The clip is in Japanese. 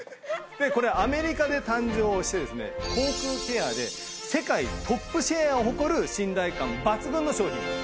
これアメリカで誕生してですね口腔ケアで世界トップシェアを誇る信頼感抜群の商品なんです。